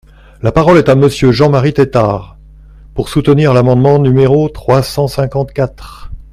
La parole est à Monsieur Jean-Marie Tetart, pour soutenir l’amendement numéro trois cent cinquante-quatre.